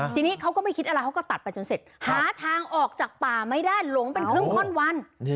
ทีนี้เขาก็ไม่คิดอะไรเขาก็ตัดไปจนเสร็จหาทางออกจากป่าไม่ได้หลงเป็นครึ่งท่อนวัน